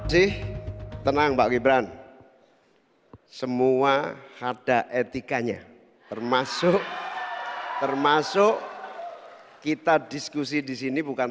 si tenang mbak gibran semua ada etikanya termasuk termasuk kita diskusi di sini bukan